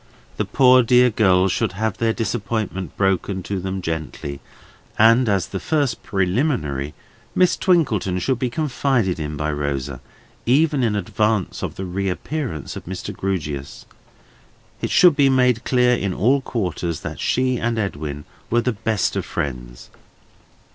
The poor dear girls should have their disappointment broken to them gently, and, as the first preliminary, Miss Twinkleton should be confided in by Rosa, even in advance of the reappearance of Mr. Grewgious. It should be made clear in all quarters that she and Edwin were the best of friends.